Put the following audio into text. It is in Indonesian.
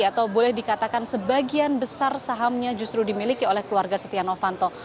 atau boleh dikatakan sebagian besar sahamnya justru dimiliki oleh keluarga setia novanto